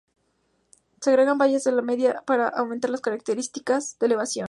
Se agregaron vallas de ala media para aumentar las características de elevación.